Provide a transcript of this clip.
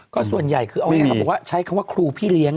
ก็ส่วนใหญ่คือใช้คำว่าครูพี่เลี้ยง